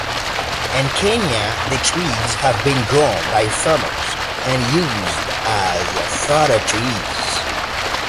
In Kenya the trees have been grown by farmers and used as fodder trees.